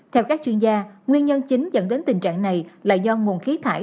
theo các chuyên gia nguyên nhân chính dẫn đến tình trạng này là do nguồn khí thải